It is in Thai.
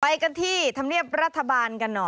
ไปกันที่ธรรมเนียบรัฐบาลกันหน่อย